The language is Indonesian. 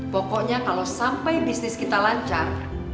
pokoknya kalau sampai bisnis kita lancar